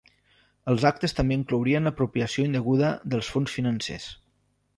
Els actes també inclourien l'apropiació indeguda dels fons financers.